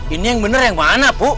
ini yang benar yang mana bu